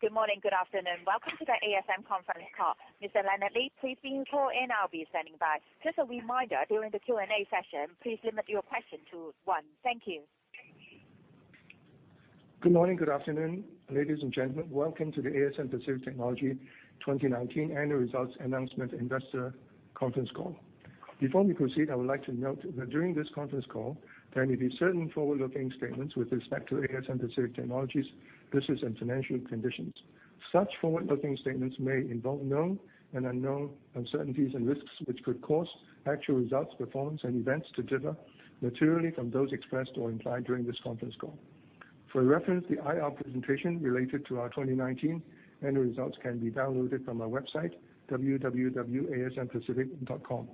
Good morning, good afternoon. Welcome to the ASMPT Conference Call. Mr. Leonard Lee, please be on hold and I'll be standing by. Just a reminder, during the Q&A session, please limit your question to one. Thank you. Good morning, good afternoon, ladies and gentlemen. Welcome to the ASM Pacific Technology 2019 annual results announcement investor conference call. Before we proceed, I would like to note that during this conference call, there may be certain forward-looking statements with respect to ASM Pacific Technology's business and financial conditions. Such forward-looking statements may involve known and unknown uncertainties and risks which could cause actual results, performance, and events to differ materially from those expressed or implied during this conference call. For reference, the IR presentation related to our 2019 annual results can be downloaded from our website, www.asmpacific.com.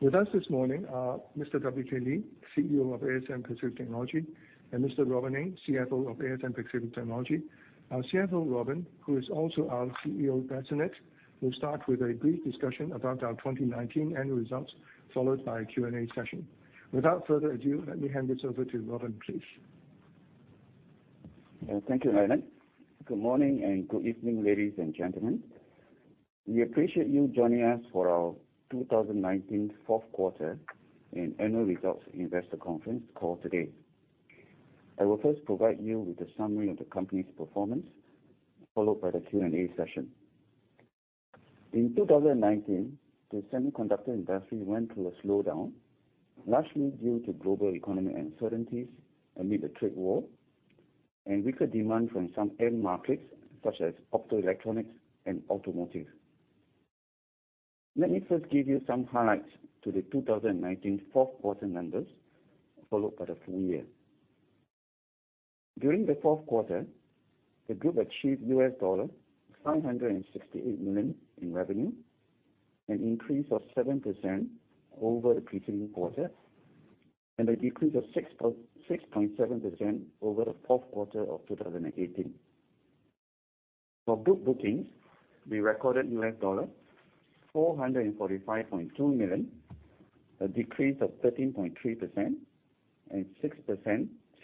With us this morning are Mr. W.K. Lee, CEO of ASM Pacific Technology, and Mr. Robin Ng, CFO of ASM Pacific Technology. Our CFO, Robin, who is also our CEO designate, will start with a brief discussion about our 2019 annual results, followed by a Q&A session. Without further ado, let me hand this over to Robin, please. Thank you, Leonard. Good morning and good evening, ladies and gentlemen. We appreciate you joining us for our 2019 fourth quarter and annual results investor conference call today. I will first provide you with a summary of the company's performance, followed by the Q&A session. In 2019, the semiconductor industry went through a slowdown, largely due to global economic uncertainties amid the trade war and weaker demand from some end markets, such as optoelectronics and automotive. Let me first give you some highlights to the 2019 fourth quarter numbers, followed by the full year. During the fourth quarter, the group achieved $568 million in revenue, an increase of 7% over the preceding quarter, and a decrease of 6.7% over the fourth quarter of 2018. For group bookings, we recorded $445.2 million, a decrease of 13.3% and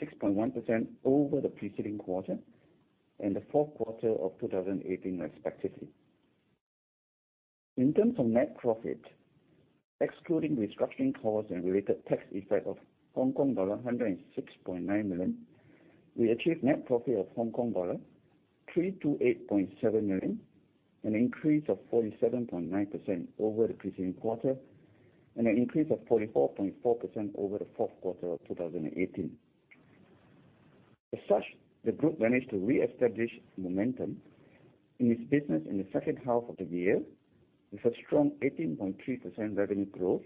6.1% over the preceding quarter and the fourth quarter of 2018 respectively. In terms of net profit, excluding restructuring costs and related tax effect of Hong Kong dollar 106.9 million, we achieved net profit of Hong Kong dollar 328.7 million, an increase of 47.9% over the preceding quarter, and an increase of 44.4% over the fourth quarter of 2018. As such, the group managed to reestablish momentum in its business in the second half of the year, with a strong 18.3% revenue growth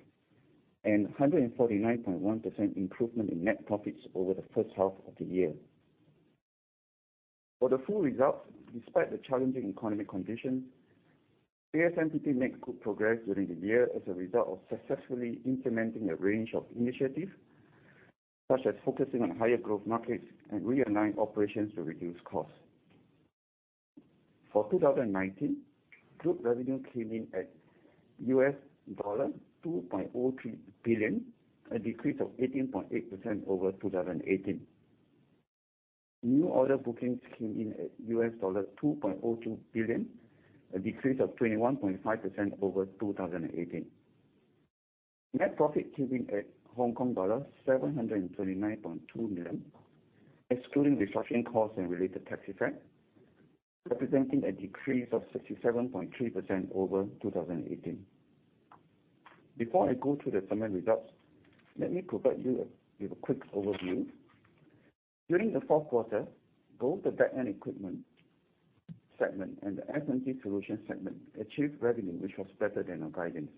and 149.1% improvement in net profits over the first half of the year. For the full results, despite the challenging economic conditions, ASMPT made good progress during the year as a result of successfully implementing a range of initiatives, such as focusing on higher growth markets and realigning operations to reduce costs. For 2019, group revenue came in at $2.03 billion, a decrease of 18.8% over 2018. New order bookings came in at $2.02 billion, a decrease of 21.5% over 2018. Net profit came in at Hong Kong dollar 729.2 million, excluding restructuring costs and related tax effect, representing a decrease of 67.3% over 2018. Before I go through the summary results, let me provide you with a quick overview. During the fourth quarter, both the Back-end Equipment segment and the SMT Solutions segment achieved revenue, which was better than our guidance.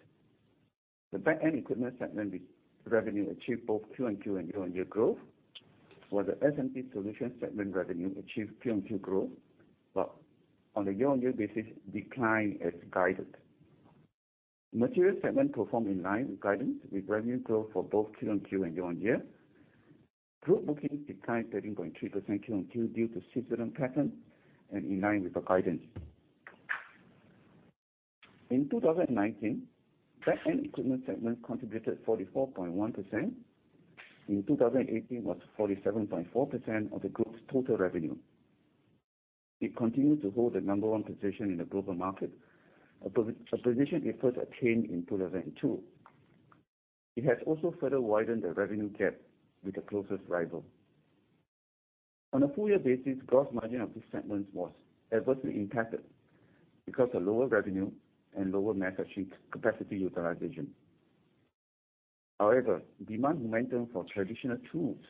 The Back-end Equipment segment revenue achieved both Q-on-Q and year-on-year growth, while the SMT Solutions segment revenue achieved Q-on-Q growth, but on a year-on-year basis, declined as guided. Materials segment performed in line with guidance, with revenue growth for both Q-on-Q and year-on-year. Group bookings declined 13.3% Q-on-Q due to seasonal pattern and in line with the guidance. In 2019, Back-end Equipment segment contributed 44.1%. In 2018, it was 47.4% of the group's total revenue. It continued to hold the number one position in the global market, a position it first attained in 2002. It has also further widened the revenue gap with the closest rival. On a full year basis, gross margin of this segment was adversely impacted because of lower revenue and lower manufacturing capacity utilization. Demand momentum for traditional tools,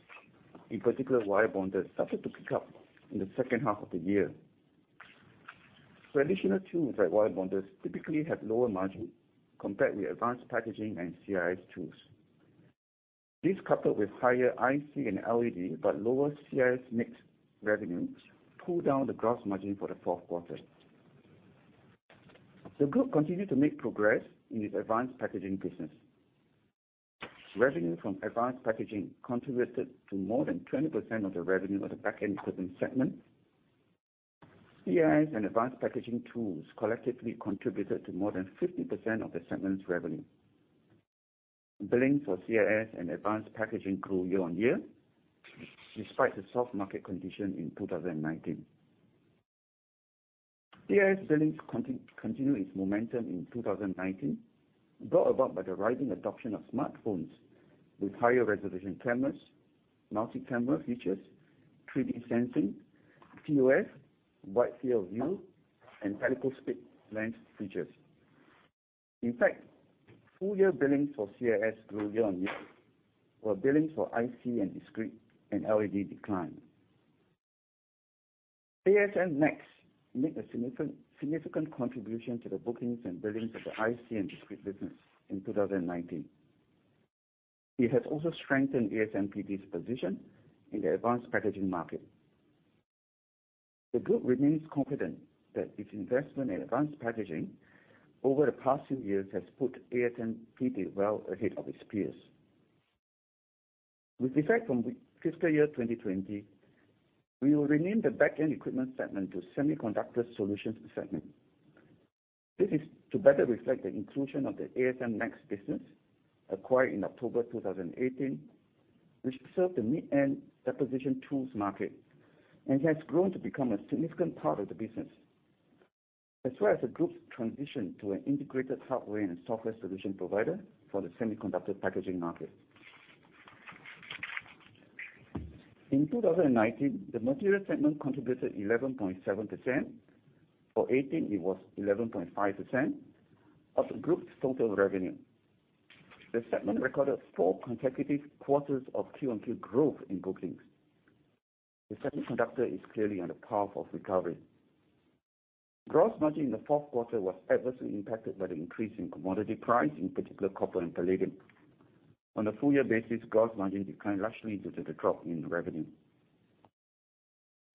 in particular wire bonders, started to pick up in the second half of the year. Traditional tools like wire bonders typically have lower margin compared with advanced packaging and CIS tools. This, coupled with higher IC and LED, but lower CIS mix revenue, pulled down the gross margin for the fourth quarter. The group continued to make progress in its advanced packaging business. Revenue from advanced packaging contributed to more than 20% of the revenue of the Back-end Equipment segment. CIS and advanced packaging tools collectively contributed to more than 50% of the segment's revenue. Billings for CIS and advanced packaging grew year-on-year despite the soft market condition in 2019. CIS billings continued its momentum in 2019, brought about by the rising adoption of smartphones with higher resolution cameras, multi-camera features, 3D sensing, ToF, wide field of view, and periscope lens features. In fact, full-year billings for CIS grew year-on-year, while billings for IC and discrete and LED declined. ASMPT NEXX made a significant contribution to the bookings and billings of the IC and discrete business in 2019. It has also strengthened ASMPT's position in the advanced packaging market. The Group remains confident that its investment in advanced packaging over the past few years has put ASMPT well ahead of its peers. With effect from fiscal year 2020, we will rename the Back-end Equipment segment to Semiconductor Solutions segment. This is to better reflect the inclusion of the ASMPT NEXX business acquired in October 2018, which served the mid-end deposition tools market and has grown to become a significant part of the business, as well as the Group's transition to an integrated hardware and software solution provider for the semiconductor packaging market. In 2019, the Material segment contributed 11.7%, for 2018 it was 11.5%, of the Group's total revenue. The segment recorded four consecutive quarters of Q-on-Q growth in bookings. The semiconductor is clearly on the path of recovery. Gross margin in the fourth quarter was adversely impacted by the increase in commodity price, in particular copper and palladium. On a full-year basis, gross margin declined largely due to the drop in revenue.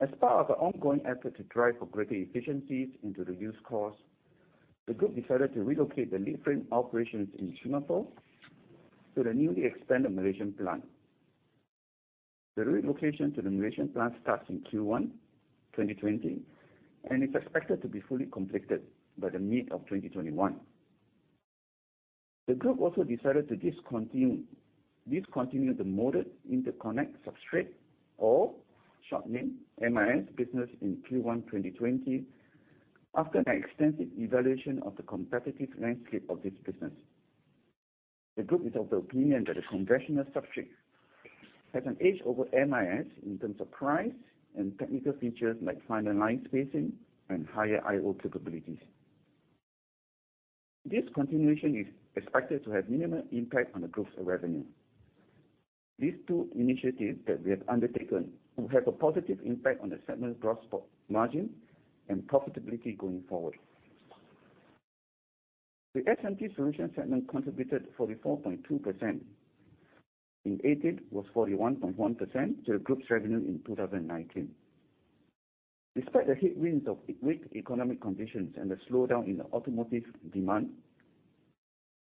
As part of the ongoing effort to drive for greater efficiencies and to reduce costs, the Group decided to relocate the lead frame operations in Singapore to the newly expanded Malaysian plant. The relocation to the Malaysian plant starts in Q1 2020 and is expected to be fully completed by the mid of 2021. The Group also decided to discontinue the molded interconnect substrate or short name MIS business in Q1 2020 after an extensive evaluation of the competitive landscape of this business. The Group is of the opinion that the conventional substrate has an edge over MIS in terms of price and technical features like finer line spacing and higher I/O capabilities. Discontinuation is expected to have minimal impact on the Group's revenue. These two initiatives that we have undertaken will have a positive impact on the segment gross margin and profitability going forward. The SMT Solutions segment contributed 44.2%, in 2018 was 41.1%, to the Group's revenue in 2019. Despite the headwinds of weak economic conditions and the slowdown in the automotive demand,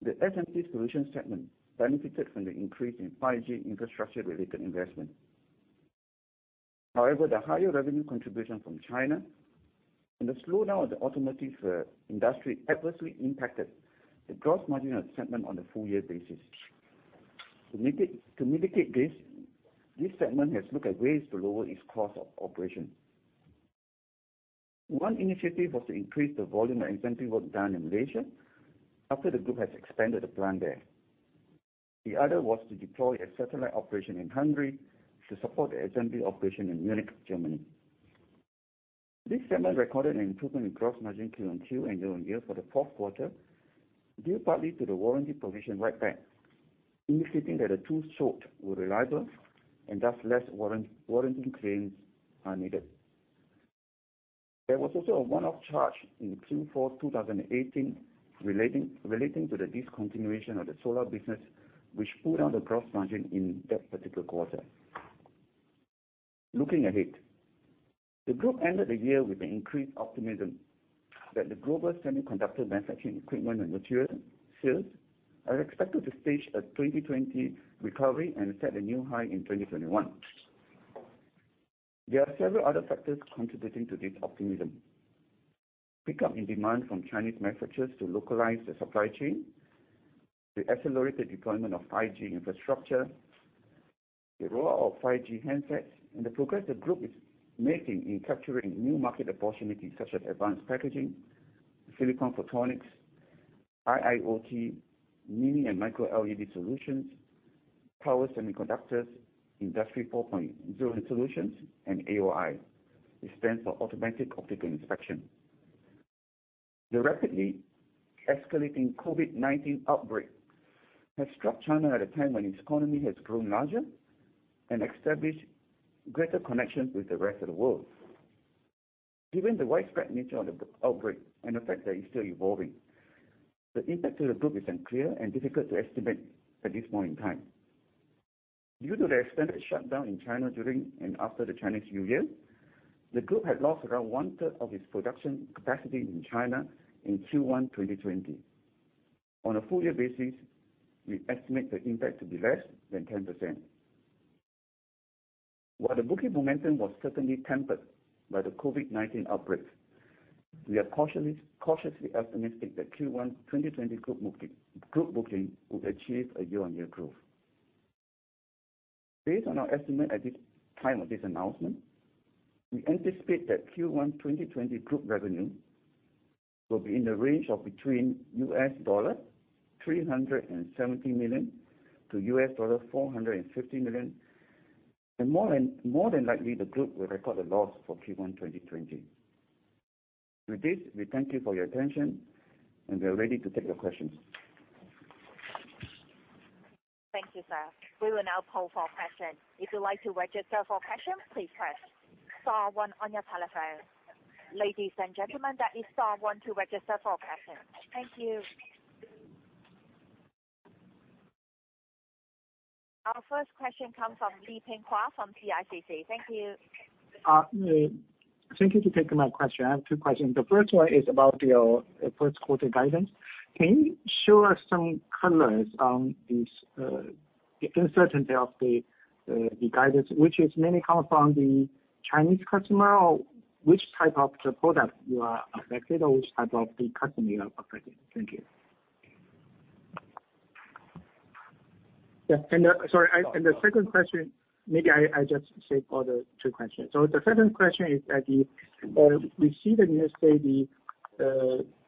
the SMT Solutions segment benefited from the increase in 5G infrastructure-related investment. The higher revenue contribution from China and the slowdown of the automotive industry adversely impacted the gross margin of the segment on a full-year basis. To mitigate this segment has looked at ways to lower its cost of operation. One initiative was to increase the volume of assembly work done in Malaysia after the Group has expanded the plant there. The other was to deploy a satellite operation in Hungary to support the assembly operation in Munich, Germany. This segment recorded an improvement in gross margin Q-on-Q and year-on-year for the fourth quarter, due partly to the warranty provision write-back, indicating that the tools sold were reliable and thus less warranty claims are needed. There was also a one-off charge in Q4 2018 relating to the discontinuation of the solar business, which pulled down the gross margin in that particular quarter. Looking ahead, the Group ended the year with an increased optimism that the global semiconductor manufacturing equipment and material sales are expected to stage a 2020 recovery and set a new high in 2021. There are several other factors contributing to this optimism. Pick up in demand from Chinese manufacturers to localize the supply chain, the accelerated deployment of 5G infrastructure, the rollout of 5G handsets, and the progress the Group is making in capturing new market opportunities such as advanced packaging, silicon photonics, IIoT, mini and micro LED solutions, power semiconductors, Industry 4.0 solutions, and AOI. It stands for Automatic Optical Inspection. The rapidly escalating COVID-19 outbreak has struck China at a time when its economy has grown larger and established greater connections with the rest of the world. Given the widespread nature of the outbreak and the fact that it's still evolving, the impact to the Group is unclear and difficult to estimate at this point in time. Due to the extended shutdown in China during and after the Chinese New Year, the Group had lost around one-third of its production capacity in China in Q1 2020. On a full-year basis, we estimate the impact to be less than 10%. While the booking momentum was certainly tempered by the COVID-19 outbreak, we are cautiously optimistic that Q1 2020 group booking will achieve a year-on-year growth. Based on our estimate at the time of this announcement, we anticipate that Q1 2020 group revenue will be in the range of between $370 million-$450 million, and more than likely, the group will record a loss for Q1 2020. With this, we thank you for your attention, and we are ready to take your questions. Thank you, sir. We will now poll for questions. If you'd like to register for questions, please press star one on your telephone. Ladies and gentlemen, that is star one to register for questions. Thank you. Our first question comes from Leping Huang from CICC. Thank you. Thank you for taking my question. I have two questions. The first one is about your first quarter guidance. Can you show us some colors on this, the uncertainty of the guidance, which mainly comes from the Chinese customer? Or which type of the product you are affected, or which type of the customer you are affecting? Thank you. Sorry, the second question. The second question is that we see the news say the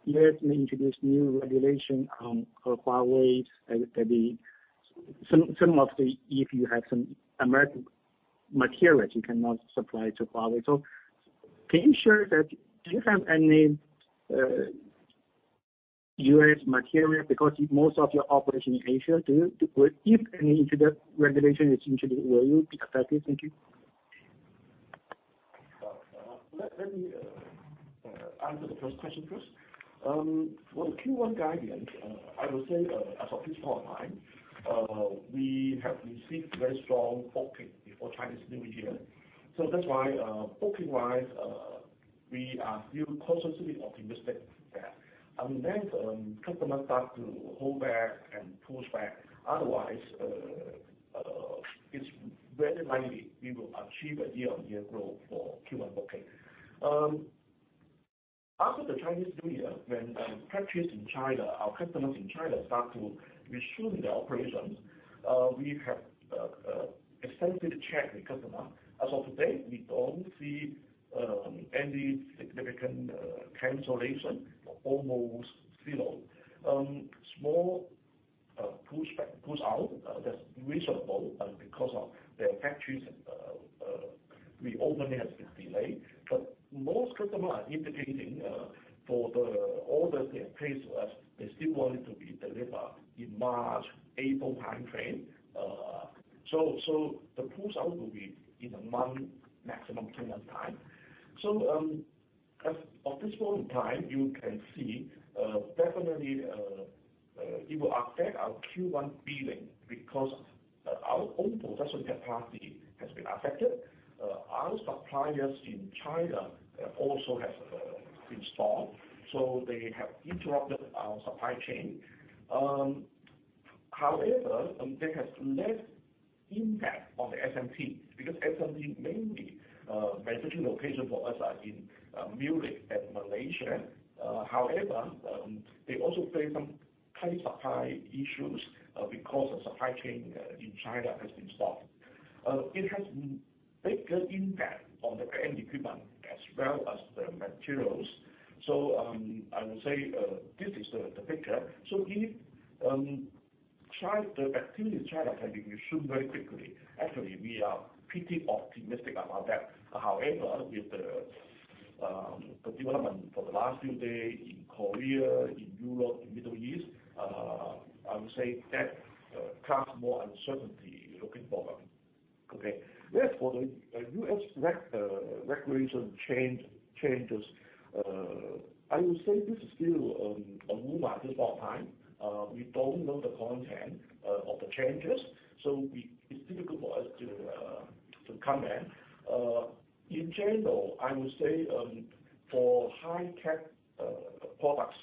U.S. may introduce new regulation on Huawei, that some of the, if you have some American materials, you cannot supply to Huawei. Can you share that, do you have any U.S. materials because most of your operations in Asia do. If any of the regulation is introduced, will you be affected? Thank you. Let me answer the first question first. For the Q1 guidance, I will say as of this point in time, we have received very strong booking before Chinese New Year. That's why, booking-wise, we are still cautiously optimistic there. Unless customers start to hold back and push back. Otherwise, it's very likely we will achieve a year-on-year growth for Q1 booking. After the Chinese New Year, when factories in China, our customers in China, start to resume their operations, we have extensively checked with customers. As of today, we don't see any significant cancellations. Almost zero. Small pushback, push out that's reasonable because of their factories reopening has been delayed. Most customers are indicating for the orders they have placed with us, they still want it to be delivered in March, April timeframe. The push out will be in one month, maximum two months time. As of this point in time, you can see, definitely, it will affect our Q1 billing because our own production capacity has been affected. Our suppliers in China also have been stalled, they have interrupted our supply chain. There has less impact on the SMT, because SMT mainly manufacturing location for us are in Munich and Malaysia. They also face some high supply issues because the supply chain in China has been stopped. It has bigger impact on the Back-end Equipment as well as the materials. I would say this is the picture. If the activity in China can resume very quickly, actually, we are pretty optimistic about that. With the development for the last few days in Korea, in Europe, in Middle East, I would say that casts more uncertainty looking forward. Okay. As for the U.S. regulation changes, I will say this is still a rumor at this point in time. We don't know the content of the changes, so it's difficult for us to comment. In general, I would say, for high-tech products,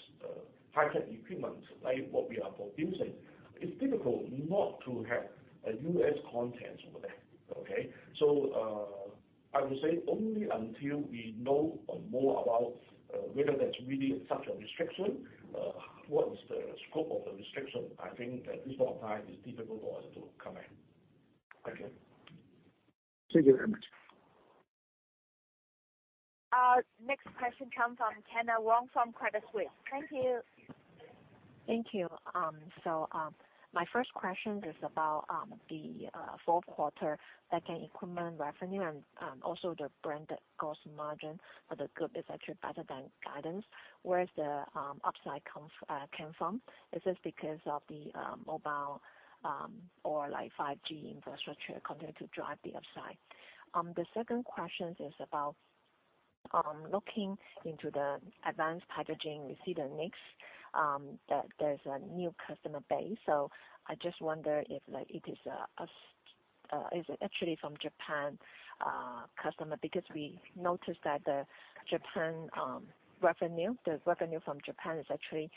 high-tech equipment like what we are producing, it's difficult not to have U.S. contents over there, okay? I would say only until we know more about whether there's really such a restriction, what is the scope of the restriction, I think at this point in time, it's difficult for us to comment. Thank you. Thank you very much. Our next question comes from Kyna Wong from Credit Suisse. Thank you. Thank you. My first question is about the fourth quarter Back-end Equipment revenue and also the branded gross margin for the group is actually better than guidance. Where is the upside came from? Is this because of the mobile or 5G infrastructure continue to drive the upside? The second question is about looking into the advanced packaging, we see the mix, that there's a new customer base. I just wonder if it is actually from Japan customer because we noticed that the revenue from Japan has actually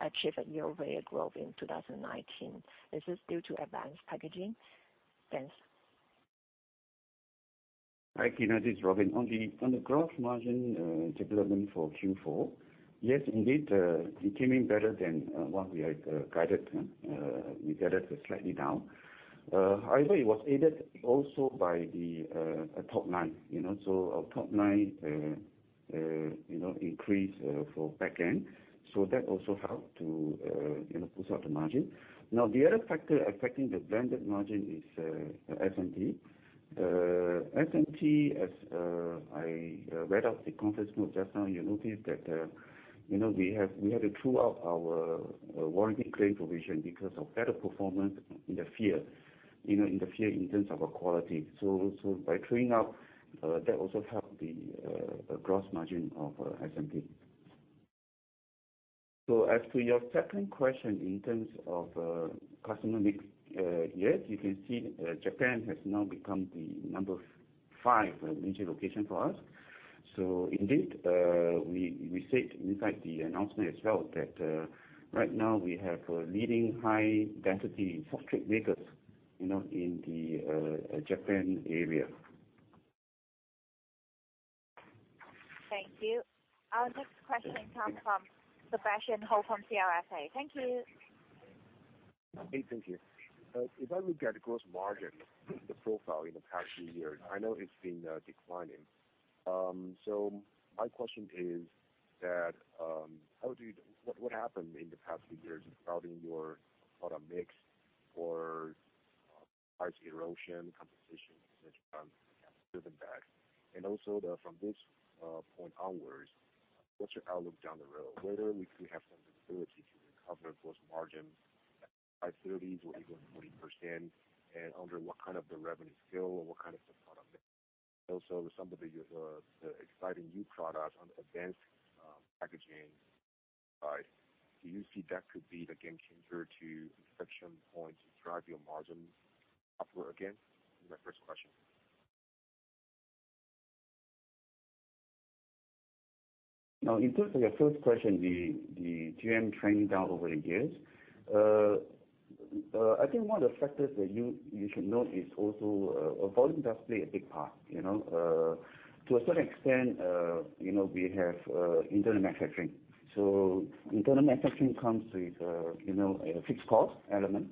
achieved a year-over-year growth in 2019. Is this due to advanced packaging? Thanks. Hi, Kyna. This is Robin. On the gross margin development for Q4, yes, indeed, it came in better than what we had guided. We guided slightly down. It was aided also by the top line. Our top line increased for Back-end, so that also helped to push up the margin. The other factor affecting the blended margin is SMT. SMT, as I read out the conference call just now, you'll notice that we had to true up our warranty claim provision because of better performance in the field in terms of our quality. By trueing up, that also helped the gross margin of SMT. As to your second question in terms of customer mix, yes, you can see Japan has now become the number five major location for us. Indeed, we said inside the announcement as well that right now we have leading high-density substrate makers in the Japan area. Thank you. Our next question comes from Sebastian Hou from CLSA. Thank you. Hey, thank you. If I look at gross margin, the profile in the past few years, I know it's been declining. My question is that, what happened in the past few years regarding your product mix or price erosion compensation, which can have driven back? Also from this point onwards, what's your outlook down the road? Whether we could have some visibility to recover gross margin, high 30% or even 40%, and under what kind of the revenue scale or what kind of the product mix? Also some of the exciting new products on advanced packaging side, do you see that could be the game changer to inflection point to drive your margin upward again? That's my first question. In terms of your first question, the GM trending down over the years. I think one of the factors that you should note is also volume does play a big part. To a certain extent, we have internal manufacturing. Internal manufacturing comes with a fixed cost element.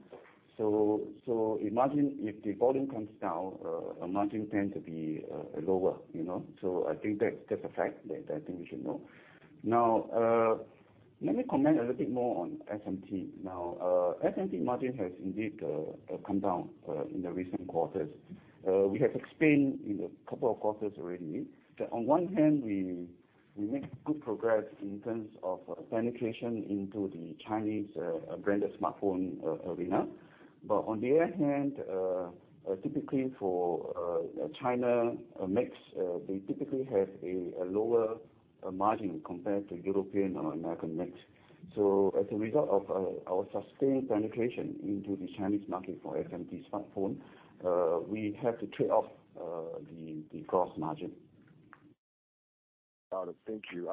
Imagine if the volume comes down, our margin tends to be lower. I think that's a fact that I think we should know. Let me comment a little bit more on SMT. SMT margin has indeed come down in the recent quarters. We have explained in a couple of quarters already, that on one hand, we make good progress in terms of penetration into the Chinese branded smartphone arena. On the other hand, typically for China mix, they typically have a lower margin compared to European or American mix. As a result of our sustained penetration into the Chinese market for SMT smartphone, we have to trade off the gross margin. Got it. Thank you.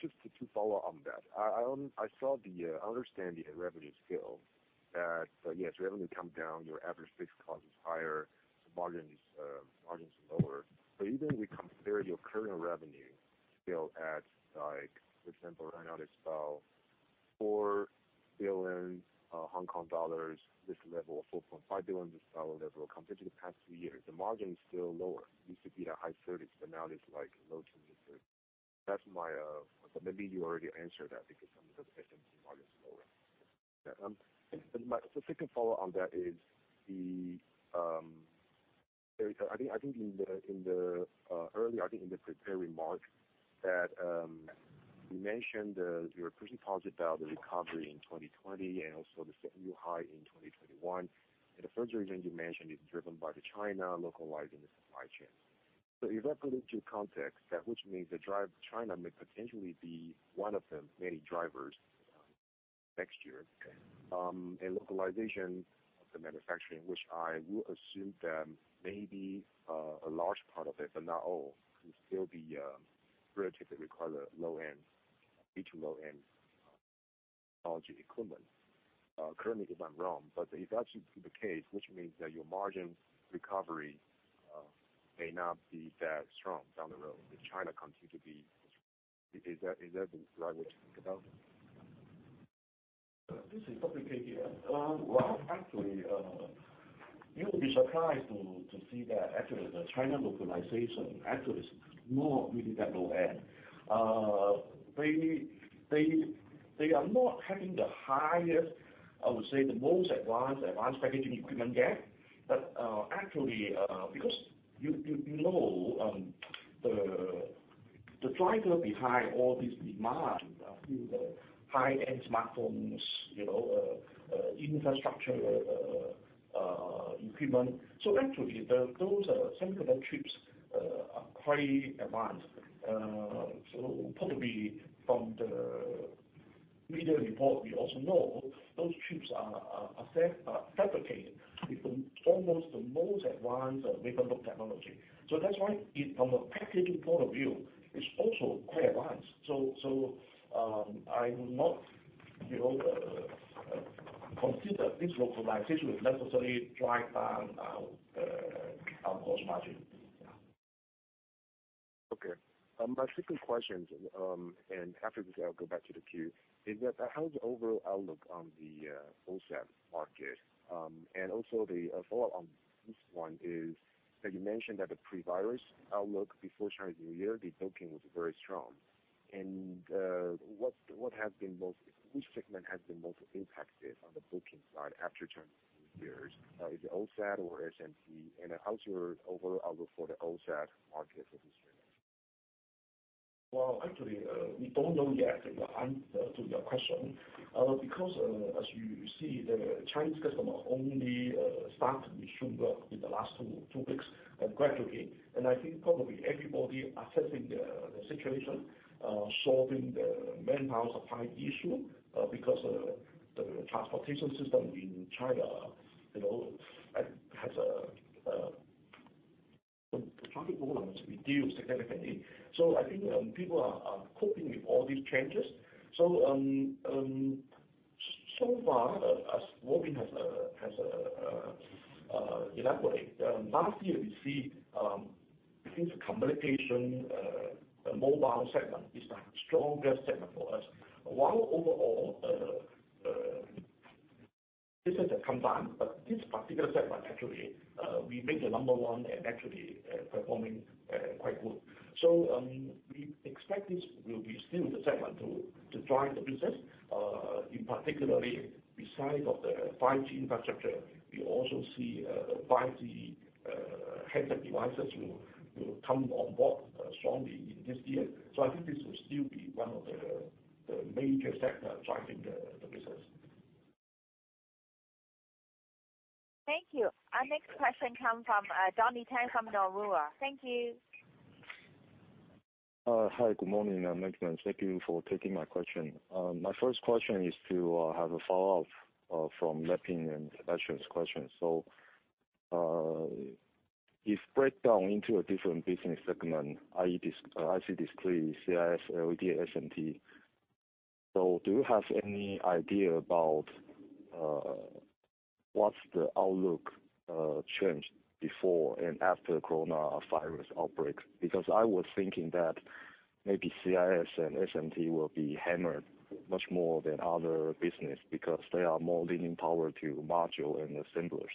Just to follow on that. I understand the revenue scale, that yes, revenue come down, your average fixed cost is higher, so margins are lower. Even we compare your current revenue scale at, for example, right now let's spell 4 billion Hong Kong dollars, this level of 4.5 billion, this dollar level compared to the past few years, the margin is still lower. Used to be at high 30%, now it's low 20%, 30%. Maybe you already answered that because some of the SMT margin is lower. The second follow on that is, I think in the prepared remark that you mentioned, you were pretty positive about the recovery in 2020 and also the new high in 2021. The first reason you mentioned is driven by the China localizing the supply chain. If I put it to context, that which means the drive China may potentially be one of the many drivers next year. Localization of the manufacturing, which I will assume that maybe a large part of it, but not all, could still be relatively require low-end, feature low-end technology equipment. Correct me if I'm wrong, but if that should be the case, which means that your margin recovery may not be that strong down the road if China continue to be. Is that the right way to think about it? This is W.K. Lee. Well, actually, you'll be surprised to see that actually the China localization actually is not really that low-end. They are not having the highest, I would say the most advanced packaging equipment there. Actually, because you know the driver behind all this demand, through the high-end smartphones, infrastructure equipment. Actually, those semiconductor chips Quite advanced. Probably from the media report, we also know those chips are fabricated with almost the most advanced wafer technology. That's why from a packaging point of view, it's also quite advanced. I will not consider this localization will necessarily drive down our gross margin. Okay. My second question, and after this I will go back to the queue, is that how is the overall outlook on the OSAT market? Also the follow on this one is that you mentioned that the pre-virus outlook before Chinese New Year, the booking was very strong. Which segment has been most impacted on the booking side after Chinese New Year? Is it OSAT or SMT, and how is your overall outlook for the OSAT market for this year? Well, actually, we don't know yet the answer to your question. As you see, the Chinese customer only start to resume work in the last two weeks, gradually. I think probably everybody assessing the situation, solving the manpower supply issue, because the transportation system in China has the traffic volumes reduced significantly. I think people are coping with all these changes. So far, as Robin has elaborated, last year we see, I think the communication, the mobile segment is the strongest segment for us. While overall, this is a combined, but this particular segment, actually we make the number one and actually performing quite good. We expect this will be still the segment to drive the business. In particularly beside of the 5G infrastructure, we also see 5G handset devices will come on board strongly in this year. I think this will still be one of the major sector driving the business. Thank you. Our next question come from Donnie Teng from Nomura. Thank you. Hi, good morning, everyone. Thank you for taking my question. My first question is to have a follow-up from Leping and Sebastian's question. If breakdown into a different business segment, IC discrete, CIS, LED, SMT, do you have any idea about what's the outlook change before and after coronavirus outbreak? Because I was thinking that maybe CIS and SMT will be hammered much more than other business because they are more leaning power to module and assemblers.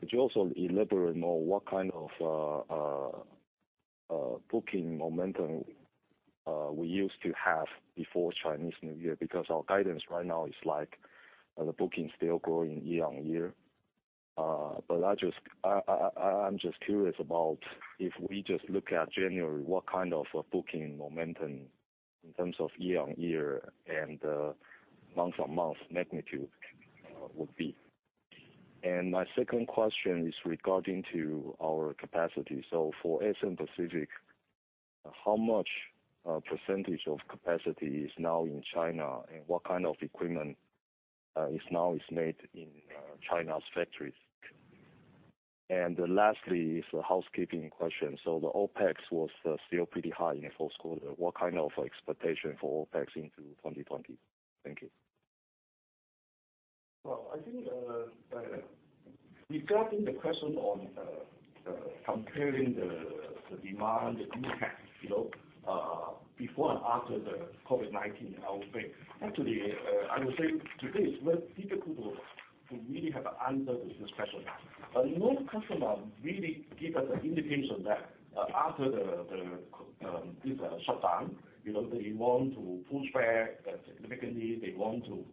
Could you also elaborate more what kind of booking momentum we used to have before Chinese New Year? Because our guidance right now is like the booking still growing year-on-year. I'm just curious about if we just look at January, what kind of a booking momentum in terms of year-on-year and month-on-month magnitude would be? My second question is regarding to our capacity. For ASMPT how much percentage of capacity is now in China, and what kind of equipment is now is made in China's factories? Lastly is a housekeeping question. The OpEx was still pretty high in the fourth quarter. What kind of expectation for OpEx into 2020? Thank you. I think, regarding the question on comparing the demand, the impact before and after the COVID-19 outbreak, actually, I would say to date it's very difficult to really have an answer to this question. No customer really give us an indication that after this shutdown, they want to push back significantly. They want to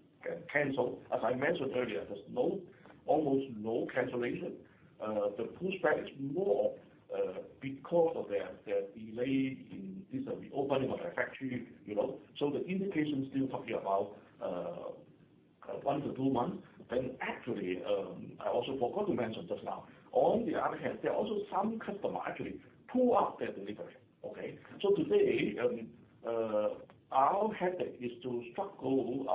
cancel. As I mentioned earlier, there's almost no cancellation. The pushback is more because of their delay in this reopening of the factory. The indication still talking about one to two months. Actually, I also forgot to mention just now, on the other hand, there are also some customer actually pull up their delivery. Okay. Today, our headache is to struggle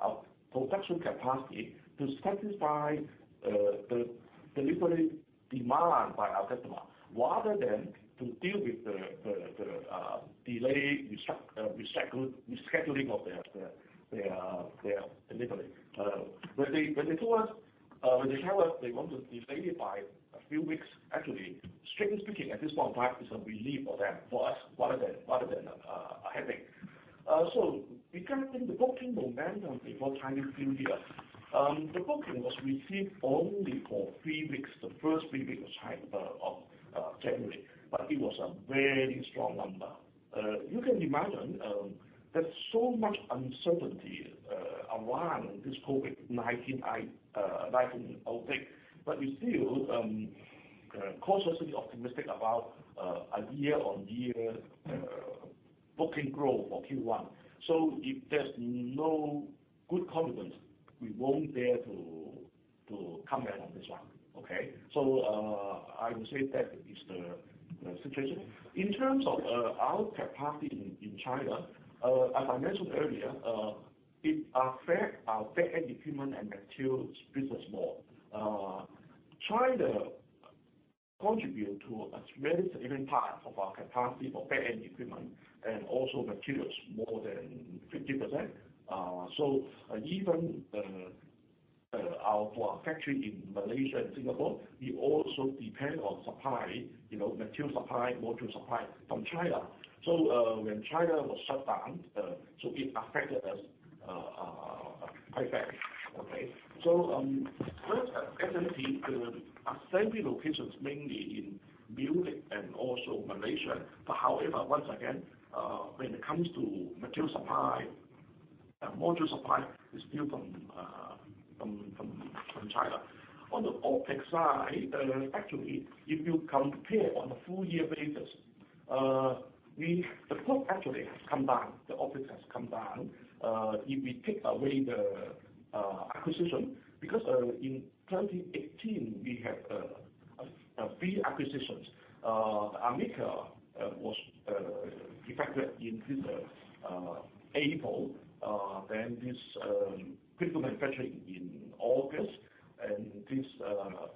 our production capacity to satisfy the delivery demand by our customer, rather than to deal with the delay, rescheduling of their delivery. When they tell us they want to delay it by a few weeks, actually, strictly speaking, at this point in time, it's a relief for us, rather than a headache. Regarding the booking momentum before Chinese New Year. The booking was received only for three weeks, the first three weeks of January, but it was a very strong number. You can imagine, there's so much uncertainty around this COVID-19 outbreak, but we still cautiously optimistic about a year-on-year booking growth for Q1. If there's no good confidence, we won't dare to come back on this one. Okay. I would say that is the situation. In terms of our capacity in China, as I mentioned earlier, it affect our back-end equipment and materials business more. China contribute to a very significant part of our capacity for back-end equipment and also materials, more than 50%. Even for our factory in Malaysia and Singapore, we also depend on material supply, module supply from China. When China was shut down, it affected us quite bad. Okay. First, SMT assembly locations mainly in Munich and also Malaysia. However, once again, when it comes to material supply, module supply is still from China. On the OpEx side, actually, if you compare on a full year basis, the cost actually has come down. The OpEx has come down. If we take away the acquisition, because in 2018, we had three acquisitions. AMICRA was de facto in April, then Critical Manufacturing in August, and then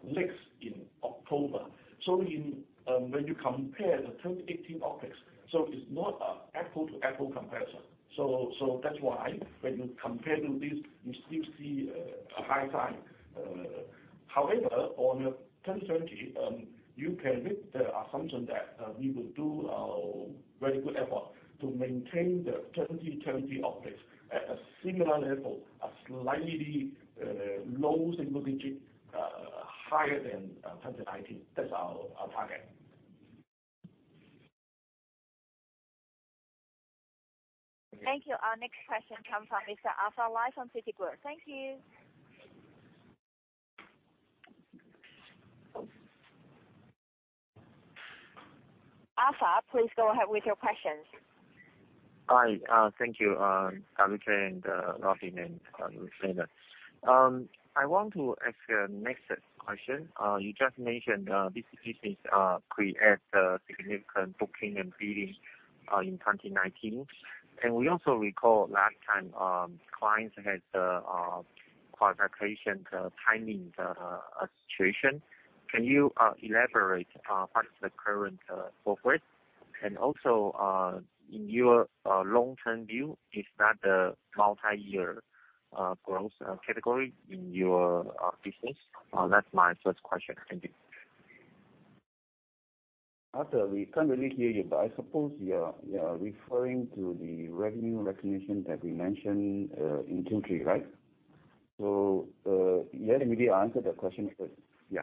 NEXX in October. When you compare the 2018 OpEx, it's not an apple-to-apple comparison. That's why when you compare to this, you still see a high time. On 2020, you can make the assumption that we will do a very good effort to maintain the 2020 OpEx at a similar level, a slightly low single digit, higher than 2019. That's our target. Thank you. Our next question comes from Mr. Arthur Lai from Citigroup. Thank you. Arthur, please go ahead with your questions. Hi. Thank you, Alicia and Robin Ng, and Leonard Lee. I want to ask a next question. You just mentioned this business created a significant booking and billing in 2019. We also recall last time, clients had the qualification timing situation. Can you elaborate what is the current progress? Also, in your long-term view, is that a multi-year growth category in your business? That's my first question. Thank you. Arthur, we can't really hear you, but I suppose you are referring to the revenue recognition that we mentioned in Q3, right? Let me answer the question first. Yeah.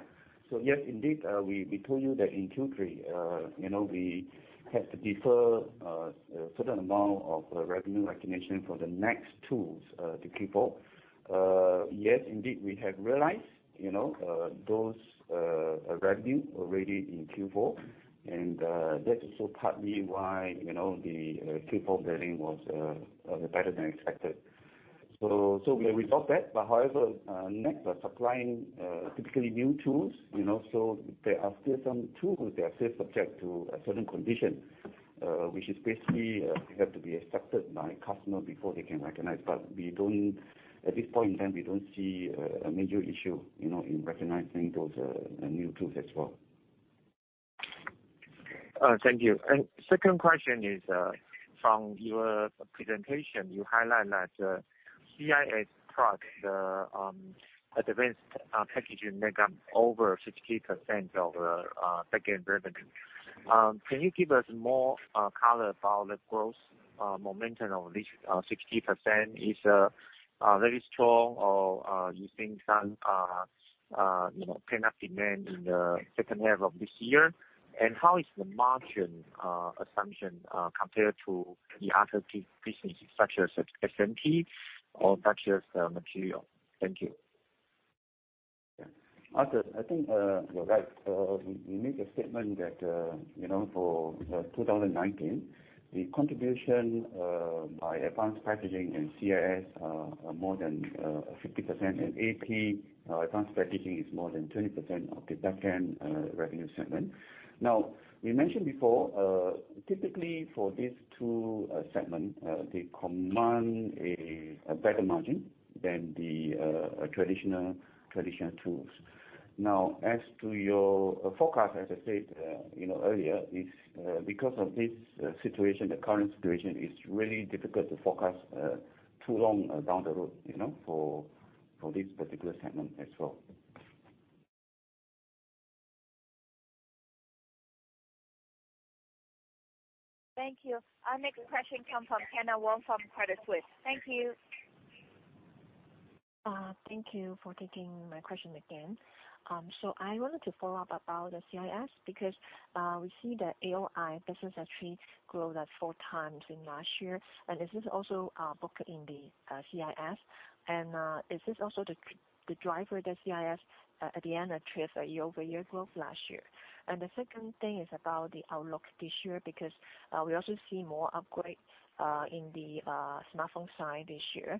Yes, indeed, we told you that in Q3 we had to defer a certain amount of revenue recognition for the NEXX tools to Q4. Yes, indeed, we have realized those revenue already in Q4, and that is also partly why the Q4 billing was better than expected. We resolved that. However, NEXX, we're supplying typically new tools, so there are still some tools that are still subject to a certain condition, which is basically they have to be accepted by customer before they can recognize. At this point in time, we don't see a major issue in recognizing those new tools as well. Thank you. Second question is, from your presentation, you highlight that CIS product, advanced packaging make up over 60% of back-end revenue. Can you give us more color about the growth momentum of this 60%? Is very strong or you think some pent-up demand in the second half of this year? How is the margin assumption compared to the other key businesses such as SMT or such as material? Thank you. Yeah. Arthur, I think you're right. We made a statement that for 2019, the contribution by advanced packaging and CIS are more than 50%, and AP, advanced packaging, is more than 20% of the back-end revenue segment. We mentioned before, typically for these two segments, they command a better margin than the traditional tools. As to your forecast, as I said earlier, because of this situation, the current situation, it's really difficult to forecast too long down the road for this particular segment as well. Thank you. Our next question comes from Kyna Wong from Credit Suisse. Thank you. Thank you for taking my question again. I wanted to follow up about the CIS, because we see that AOI business actually grew four times in last year. Is this also booked in the CIS? Is this also the driver, the CIS, at the end, achieves a year-over-year growth last year? The second thing is about the outlook this year, because we also see more upgrades in the smartphone side this year.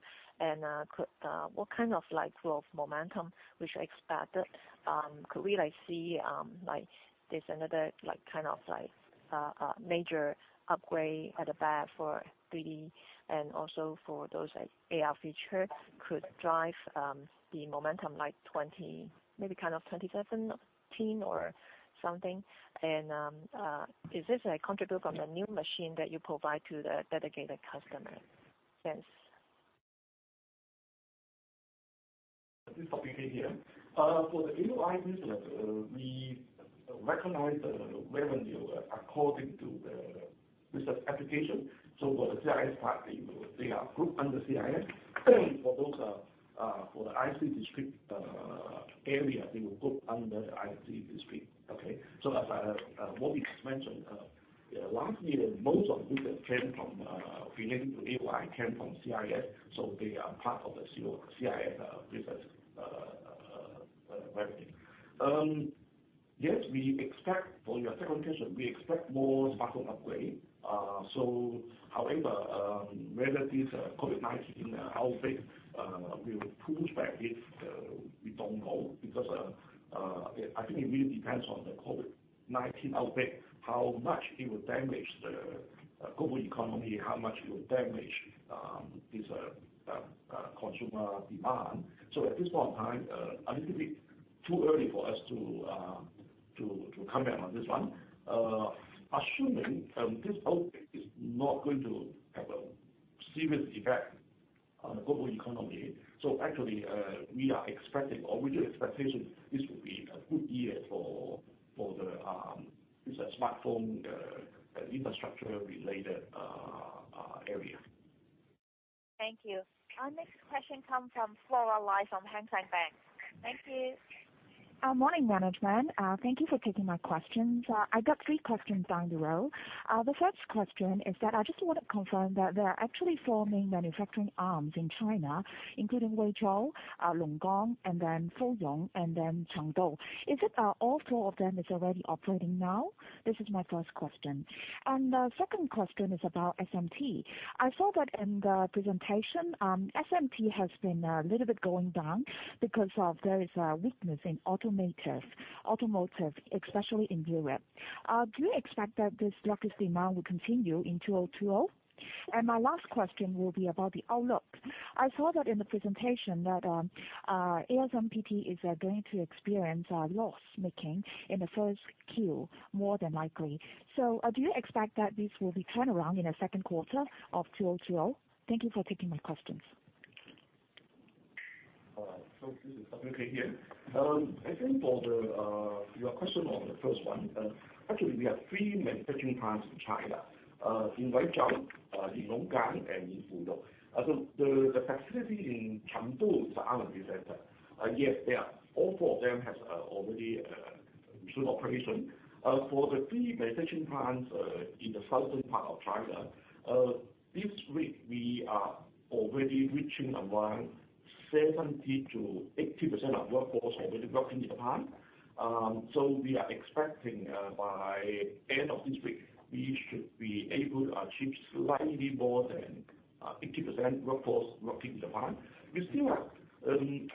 What kind of growth momentum we should expect? Could we see there's another major upgrade at the back for 3D and also for those AR features could drive the momentum, maybe kind of 2017 or something? Is this contributed from the new machine that you provide to the dedicated customer? Thanks. This is here. For the AOI business, we recognize the revenue according to the business application. For the CIS part, they are grouped under CIS. For the IC discrete area, they will group under the IC discrete. Okay? As Robin just mentioned, last year, most of business relating to AOI came from CIS, so they are part of the CIS business revenue. Yes, for your second question, we expect more smartphone upgrade. However, whether this COVID-19 outbreak will push back this, we don't know, because I think it really depends on the COVID-19 outbreak, how much it will damage the global economy, how much it will damage this consumer demand. At this point in time, I think it'd be too early for us to comment on this one. Assuming this outbreak is not going to have a serious effect on the global economy, actually, we are expecting, our original expectation, this will be a good year for the smartphone infrastructure-related area. Thank you. Our next question comes from Flora Lai from Hang Seng Bank. Thank you. Morning, management. Thank you for taking my questions. I got three questions down the road. The first question is that I just want to confirm that there are actually four main manufacturing arms in China, including Huizhou, Longgang, and then Fuqiao, and then Chengdu. Is it all four of them is already operating now? This is my first question. The second question is about SMT. I saw that in the presentation, SMT has been a little bit going down because of there is a weakness in automotive, especially in Europe. Do you expect that this weakest demand will continue in 2020? My last question will be about the outlook. I saw that in the presentation that ASMPT is going to experience loss-making in the 1Q more than likely. Do you expect that this will be turn around in the second quarter of 2020? Thank you for taking my questions. This is here. I think for your question on the first one, actually we have three manufacturing plants in China, in Huizhou, in Longgang, and in Fuqiao. The facility in Chengdu is our R&D center. Yes, all four of them has already resumed operation. For the three manufacturing plants in the southern part of China, this week we are already reaching around 70%-80% of workforce already working in the plant. We are expecting by end of this week, we should be able to achieve slightly more than 80% workforce working in the plant. We still have, it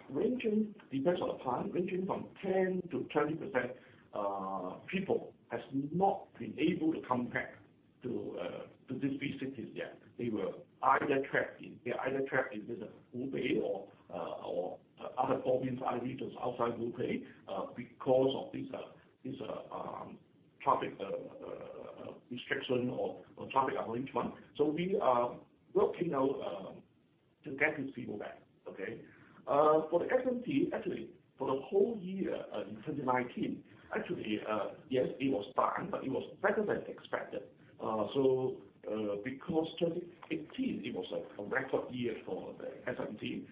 depends on the plant, ranging from 10%-20% people has not been able to come back to these facilities yet. They were either trapped in visit Hubei or other provinces and regions outside Hubei because of these traffic restriction or traffic arrangement. We are working now to get these people back. Okay. For the SMT, actually, for the whole year in 2019, actually, yes, it was down, but it was better than expected. Because 2018, it was a record year for the SMT,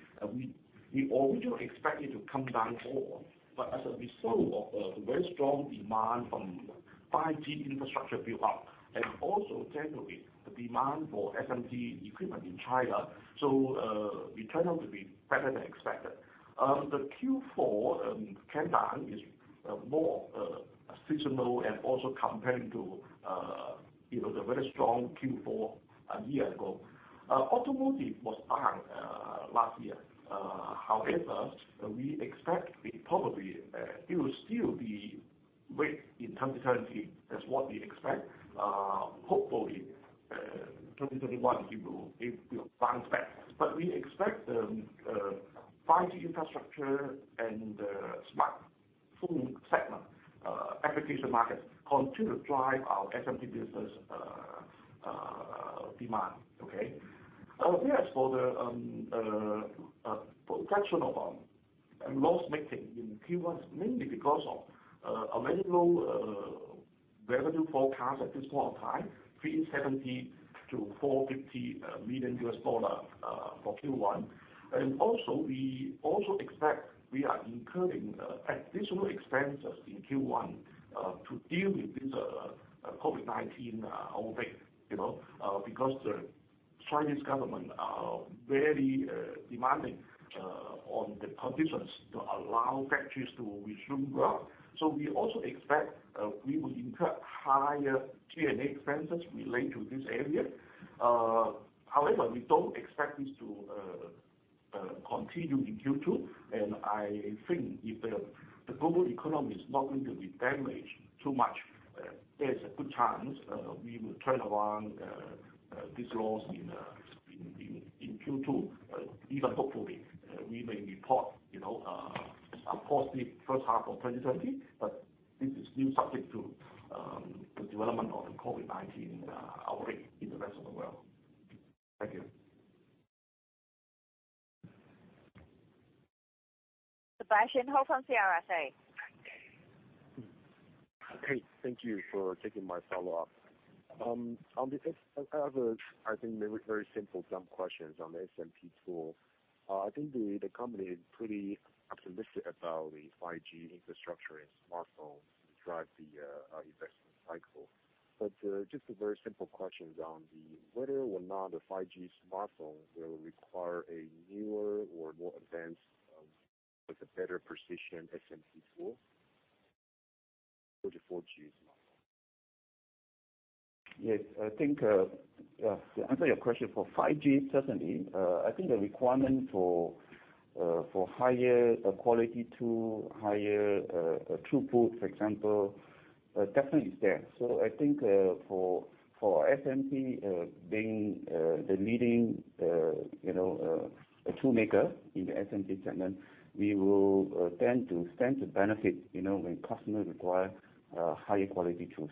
we originally expect it to come down more. As a result of the very strong demand from 5G infrastructure build-up and also generally the demand for SMT equipment in China, so we turn out to be better than expected. The Q4 countdown is more seasonal and also comparing to the very strong Q4 a year ago. Automotive was down last year. However, we expect it probably it will still be weak in 2020. That's what we expect. Hopefully, 2021, it will bounce back. We expect the 5G infrastructure and the smartphone segment application markets continue to drive our SMT business going forward. demand. Okay. Yes, for the projection of loss-making in Q1 is mainly because of a very low revenue forecast at this point in time, $370 million-$450 million for Q1. Also we expect we are incurring additional expenses in Q1, to deal with this COVID-19 outbreak. The Chinese government are very demanding on the conditions to allow factories to resume work. We also expect we will incur higher G&A expenses related to this area. However, we don't expect this to continue in Q2, and I think if the global economy is not going to be damaged too much, there's a good chance we will turn around this loss in Q2. Even hopefully, we may report a positive first half of 2020, but this is still subject to the development of the COVID-19 outbreak in the rest of the world. Thank you. Sebastian Hou from CLSA. Hey, thank you for taking my follow-up. On this end, I have, I think, maybe very simple, dumb questions on the SMT tool. I think the company is pretty optimistic about the 5G infrastructure and smartphone to drive the investment cycle. Just a very simple question on whether or not a 5G smartphone will require a newer or more advanced, with a better precision, SMT tool to 4G smartphone. Yes, I think, to answer your question for 5G, certainly, I think the requirement for higher quality tool, higher throughput, for example, definitely is there. I think for SMT, being the leading tool maker in the SMT segment, we will stand to benefit when customers require higher quality tools.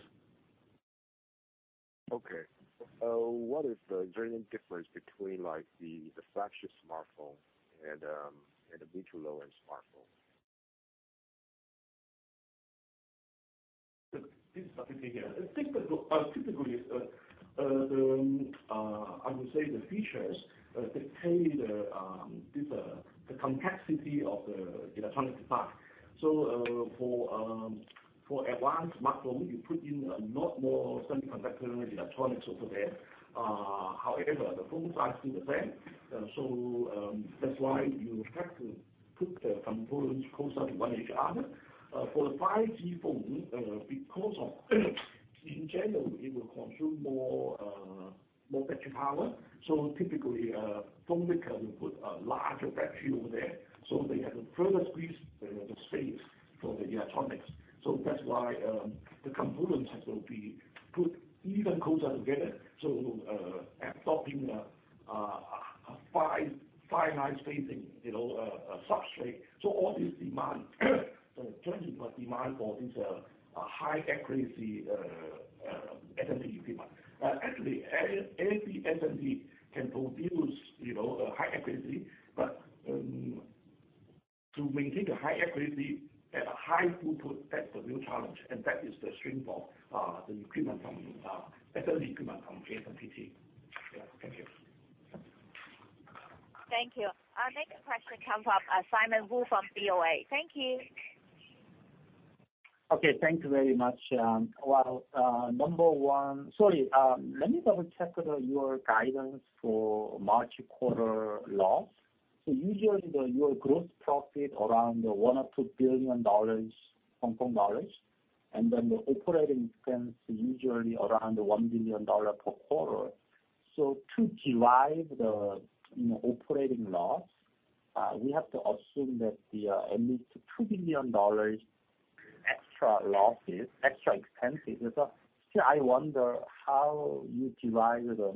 What is the genuine difference between the flagship smartphone and the mid to lower-end smartphone? This is W.K Lee. I think that typically, I would say the features dictate the complexity of the electronic device. For advanced smartphone, you put in a lot more semiconductor and electronics over there. However, the phone size is still the same. That's why you have to put the components closer to one each other. For the 5G phone, because of in general, it will consume more battery power, so typically, a phone maker will put a larger battery over there. They have to further squeeze the space for the electronics. That's why the components have to be put even closer together. Adopting a fine line spacing substrate. All this demand generates a demand for this high accuracy SMT equipment. Actually, any SMT can produce high accuracy. To maintain a high accuracy at a high throughput, that's the real challenge, and that is the strength of the better equipment from SMT. Yeah, thank you. Thank you. Our next question comes from Simon Woo from BofA. Thank you. Okay, thank you very much. Well, number one, sorry, let me double-check your guidance for March quarter loss. Usually your gross profit around 1 billion or 2 billion dollars, and the OpEx usually around 1 billion dollar per quarter. To derive the operating loss, we have to assume that the at least 2 billion dollars extra losses, extra expenses. I wonder how you derive the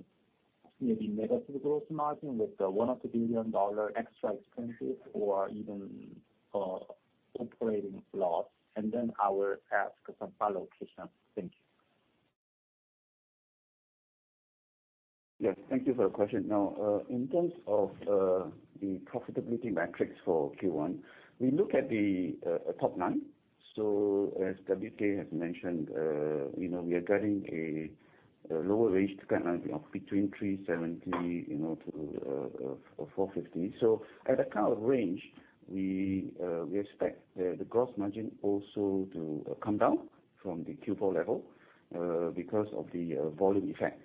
maybe negative gross margin with the 1 billion dollar or HKD 2 billion extra expenses or even operating loss. I will ask some follow-up question. Thank you. Yes, thank you for your question. In terms of the profitability metrics for Q1, we look at the top line. As W.K. has mentioned, we are guiding a lower range to guideline of between $370 million-$450 million At that kind of range, we expect the gross margin also to come down from the Q4 level because of the volume effect.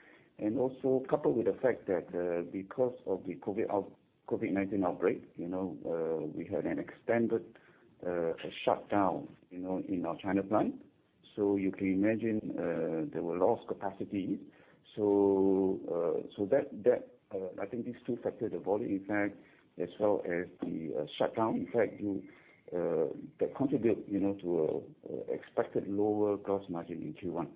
Also coupled with the fact that because of the COVID-19 outbreak, we had an extended shutdown in our China plant. You can imagine there were loss capacities. I think these two factors, the volume effect as well as the shutdown effect, do contribute to expected lower gross margin in Q1.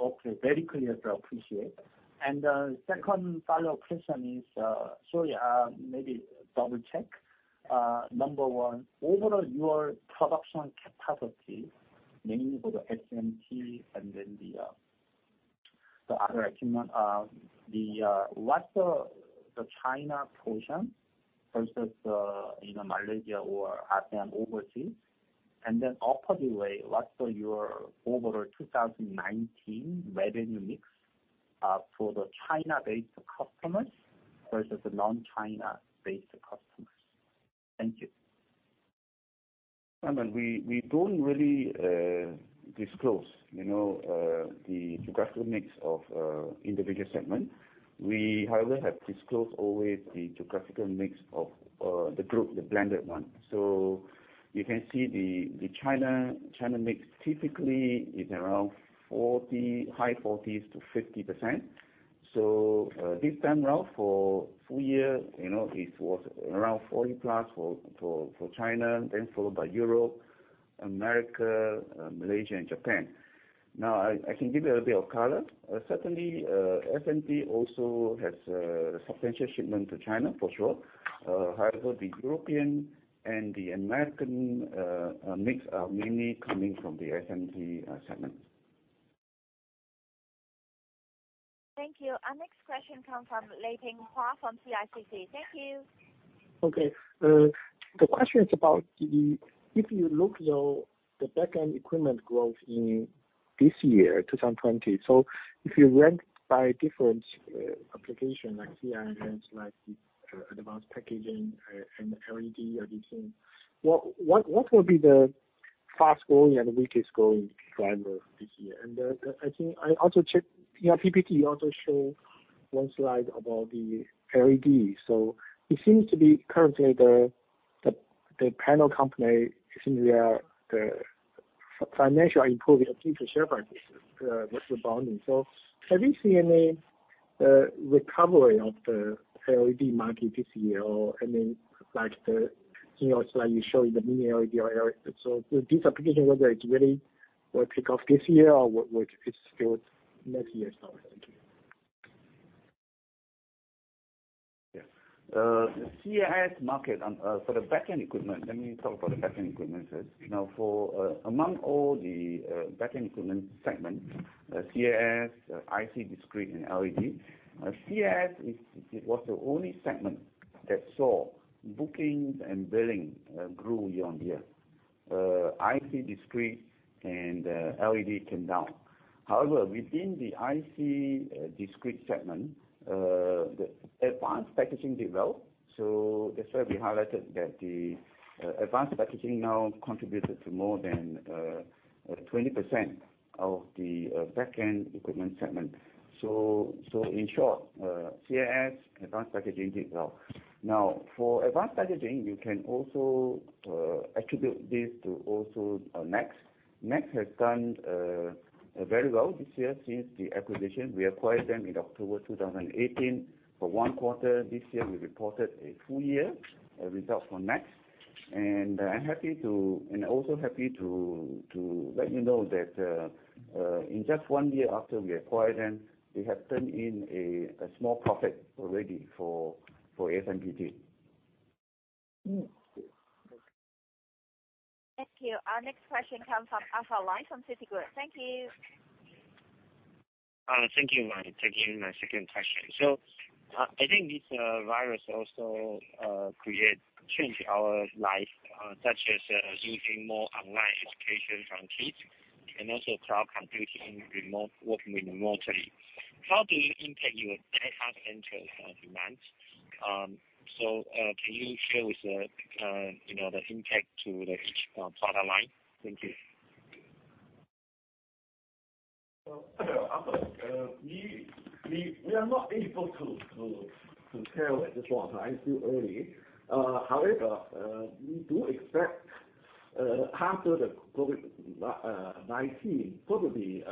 Okay. Very clear, sir. Appreciate it. Second follow-up question is, sorry, maybe double-check. Number one, overall your production capacity, mainly for the SMT and the other equipment. What's the China portion versus the Malaysia or ASEAN overseas? Upwardly, what's your overall 2019 revenue mix for the China-based customers versus the non-China-based customers? Thank you. Simon, we don't really disclose the geographical mix of individual segments. We, however, have disclosed always the geographical mix of the group, the blended one. You can see the China mix typically is around high 40%-50%. This time around for a full year, it was around 40-plus for China, followed by Europe, America, Malaysia, and Japan. I can give you a bit of color. Certainly, SMT also has a substantial shipment to China for sure. However, the European and the American mix are mainly coming from the SMT segment. Thank you. Our next question comes from Leping Huang from CICC. Thank you. The question is about if you look at the Back-end Equipment growth in this year, 2020. If you went by different application like CIS, like the advanced packaging and LED addition, what will be the fast-growing and weakest-growing driver this year? I think I also checked your PPT also show one slide about the LED. It seems to be currently the panel company, it seems their financial are improving as in the share prices with the bonding. Have you seen any recovery of the LED market this year or, I mean, like the slide you show in the mini LED or LED. This application, whether it's really will pick up this year or it's still next year. Thank you. Yes. The CIS market for the Back-end Equipment, let me talk about the Back-end Equipment first. Among all the Back-end Equipment segments, CIS, IC discrete, and LED, CIS it was the only segment that saw bookings and billing grew year-on-year. IC discrete and LED came down. Within the IC discrete segment, the advanced packaging did well, that's why we highlighted that the advanced packaging now contributed to more than 20% of the Back-end Equipment segment. In short, CIS advanced packaging did well. For advanced packaging, you can also attribute this to also NEXX. NEXX has done very well this year since the acquisition. We acquired them in October 2018. For one quarter this year, we reported a full year result for NEXX. I'm also happy to let you know that in just one year after we acquired them, we have turned in a small profit already for ASMPT. Okay. Thank you. Our next question comes from Arthur Lai from Citigroup. Thank you. Thank you for taking my second question. I think this virus also changed our life, such as using more online education from kids and also cloud computing, working remotely. How do you impact your data center demands? Can you share with us the impact to each product line? Thank you. Arthur, we are not able to tell at this point in time, it's too early. We do expect after the COVID-19, probably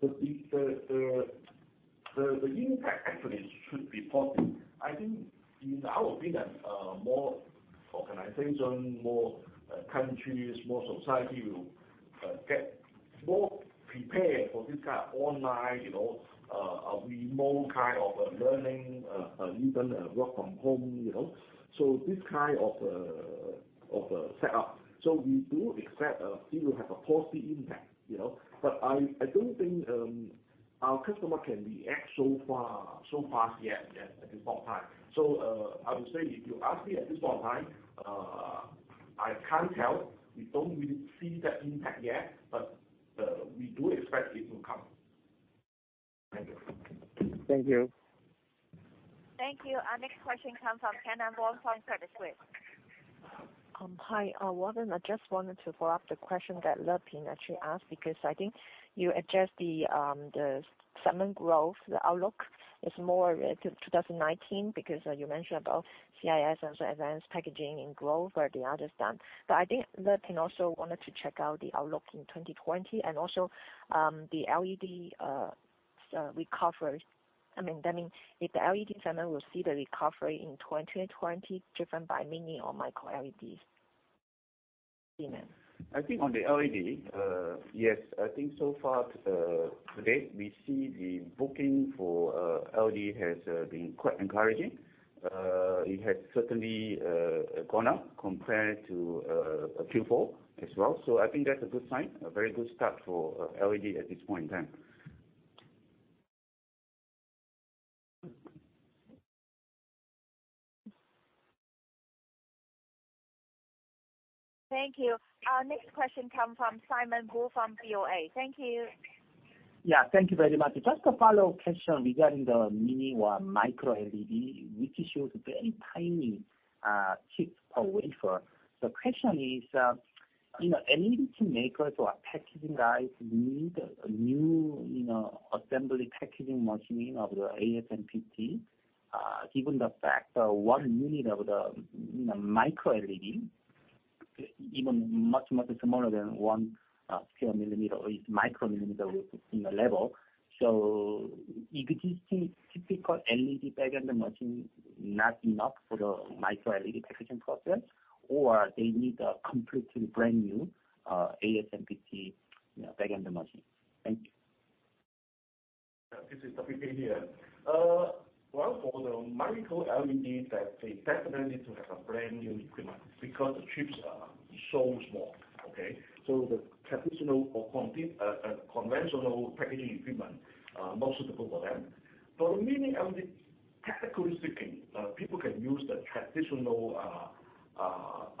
the impact actually should be positive. I would think that more organization, more countries, more society will get more prepared for this kind of online, remote kind of learning, even work from home. This kind of a setup. We do expect it will have a positive impact. I don't think our customer can react so fast yet at this point in time. I would say, if you ask me at this point in time, I can't tell. We don't really see that impact yet, but we do expect it will come. Thank you. Thank you. Thank you. Our next question comes from Kyna Wong from Credit Suisse. Hi, Robin. I just wanted to follow up the question that Leping actually asked because I think you addressed the segment growth, the outlook is more related to 2019 because you mentioned about CIS also advanced packaging and growth where the others don't. I think Leping also wanted to check out the outlook in 2020 and also the LED recovery. I mean, if the LED segment will see the recovery in 2020 driven by mini or micro LEDs. Thank you. I think on the LED, yes. I think so far to date, we see the booking for LED has been quite encouraging. It has certainly gone up compared to Q4 as well. I think that's a good sign, a very good start for LED at this point in time. Thank you. Our next question come from Simon Woo from BofA. Thank you. Yeah, thank you very much. Just a follow-up question regarding the mini LED or micro LED, which shows very tiny chips per wafer. The question is, LED makers or packaging guys need a new assembly packaging machine of ASMPT, given the fact one unit of the micro LED, even much, much smaller than one square millimeter, or it is micro millimeter in the level. Existing typical LED back-end machine not enough for the micro LED packaging process, or they need a completely brand new ASMPT back-end machine? Thank you. This is W.K. Lee. Well, for the micro LED, that they definitely need to have a brand new equipment because the chips are so small. Okay? The traditional or conventional packaging equipment are not suitable for them. For the mini LED, technically speaking, people can use the traditional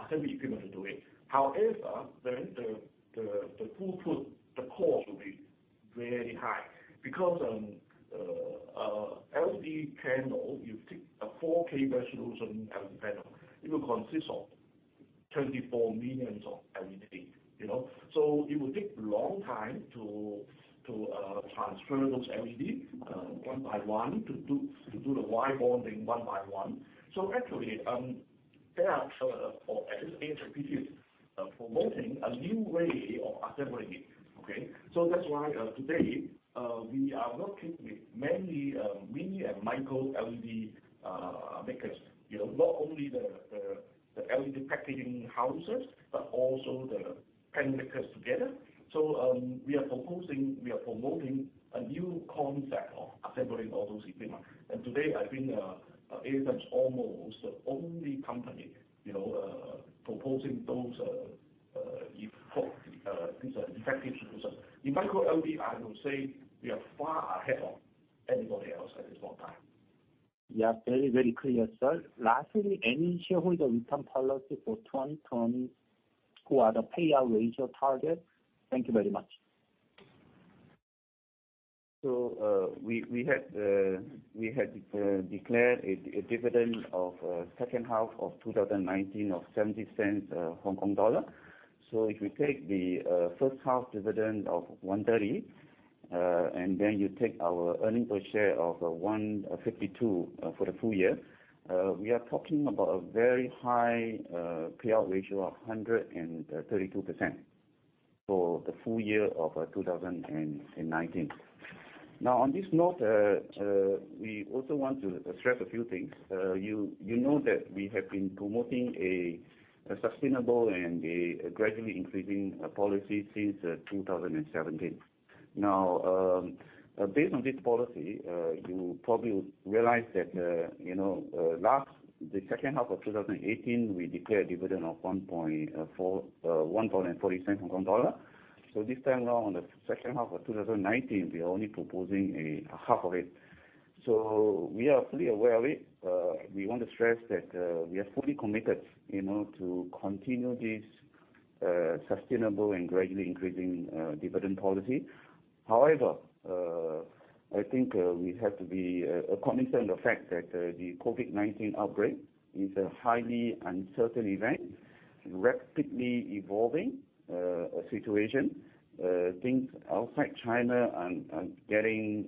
assembly equipment to do it. However, the throughput, the cost will be very high because an LED panel, you take a 4K resolution LED panel, it will consist of 24 million LED. It will take a long time to transfer those LED one by one, to do the wire bonding one by one. Actually, there are sort of, or at least ASMPT is promoting a new way of assembling it. Okay? That's why, today, we are working with many mini and micro LED makers. Not only the LED packaging houses, but also the panel makers together. We are promoting a new concept of assembling all those equipment. Today, I think ASMPT is almost the only company proposing those effective solutions. In micro LED, I will say we are far ahead of anybody else at this point in time. Very clear, sir. Lastly, any shareholder return policy for 2020? What are the payout ratio targets? Thank you very much. We had declared a dividend of second half of 2019 of 0.70. If you take the first half dividend of 1.30, and then you take our earnings per share of 1.52 for the full year, we are talking about a very high payout ratio of 132% for the full year of 2019. On this note, we also want to stress a few things. You know that we have been promoting a sustainable and a gradually increasing policy since 2017. Based on this policy, you probably realize that the second half of 2018, we declared a dividend of 1.40. This time now on the second half of 2019, we are only proposing a half of it. We are fully aware of it. We want to stress that we are fully committed to continue this sustainable and gradually increasing dividend policy. I think we have to be cognizant of the fact that the COVID-19 outbreak is a highly uncertain event, rapidly evolving situation. Things outside China are getting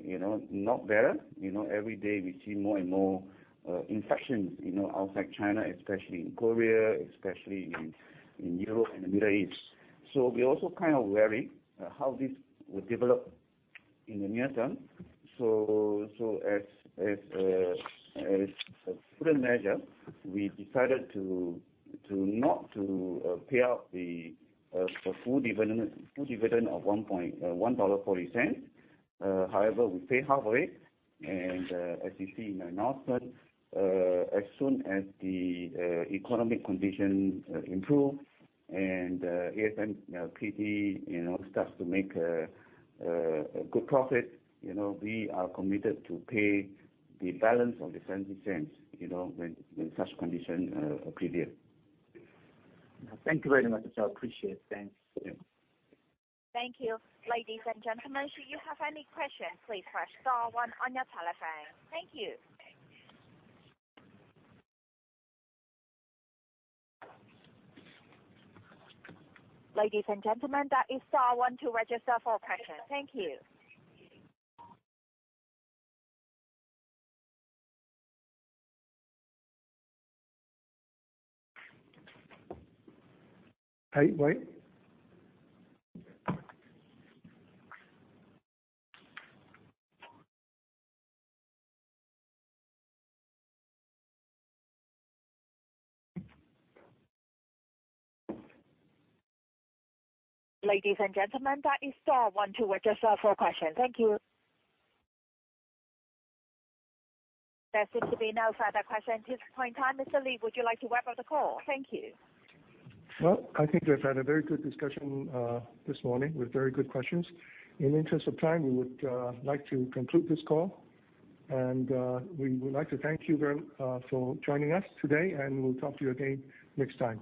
not better. Every day we see more and more infections outside China, especially in Korea, especially in Europe and the Middle East. We're also kind of wary how this will develop in the near term. As a prudent measure, we decided to not to pay out the full dividend of 1.40 dollar. We pay half of it, and as you see in our announcement, as soon as the economic condition improve and ASMPT starts to make good profit, we are committed to pay the balance of HKD 0.70 when such condition prevail. Thank you very much, sir. Appreciate it. Thanks. Thank you. Ladies and gentlemen, should you have any questions, please press star one on your telephone. Thank you. Ladies and gentlemen, that is star one to register for a question. Thank you. Wait. Ladies and gentlemen, that is star one to register for a question. Thank you. There seems to be no further questions at this point in time. Mr. Lee, would you like to wrap up the call? Thank you. Well, I think we've had a very good discussion this morning with very good questions. In the interest of time, we would like to conclude this call. We would like to thank you for joining us today, and we'll talk to you again next time.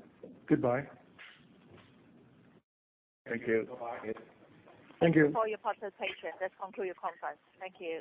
Goodbye. Thank you. Bye. Thank you. For your participation. Let's conclude the conference. Thank you